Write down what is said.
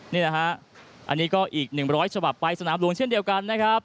นี่แหละฮะอันนี้ก็อีก๑๐๐ฉบับไปสนามหลวงเช่นเดียวกันนะครับ